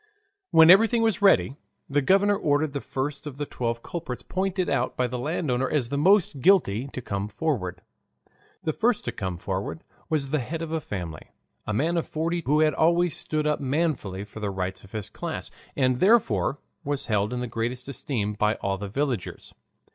When everything was ready, the governor ordered the first of the twelve culprits pointed out by the landowner as the most guilty to come forward. The first to come forward was the head of a family, a man of forty who had always stood up manfully for the rights of his class, and therefore was held in the greatest esteem by all the villagers.